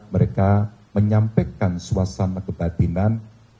mereka menyampaikan suasana kebatinan